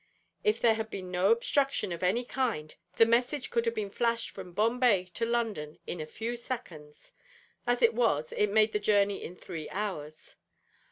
If there had been no obstruction of any kind the message could have been flashed from Bombay to London in a few seconds; as it was, it made the journey in three hours.